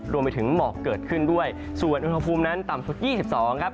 รวมไปถึงหมอกเกิดขึ้นด้วยส่วนอุณหภูมินั้นต่ำสุด๒๒ครับ